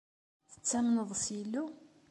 Tettamneḍ s Yillu?